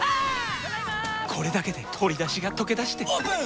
これだけで鶏だしがとけだしてオープン！